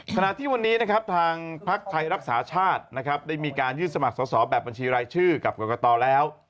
ขณะที่วันนี้นะครับทางพักไทยรักษาชาตินะครับได้มีการยื่นสมัครสอบแบบบัญชีรายชื่อกับกรกตแล้ว